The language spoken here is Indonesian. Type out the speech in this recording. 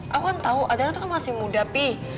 aku kan tau adrena tuh kan masih muda pih